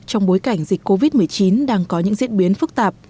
trong bối cảnh dịch covid một mươi chín đang có những diễn biến phức tạp